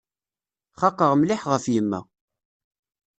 Xaqeɣ mliḥ ɣef yemma.